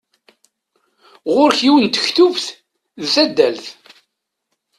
Ɣur-k yiwet n tektubt d tadalt.